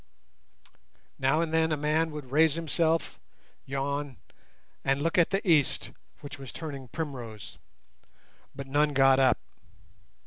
Now and then a man would raise himself, yawn, and look at the east, which was turning primrose; but none got up.